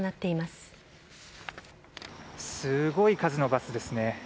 すごい数のバスですね。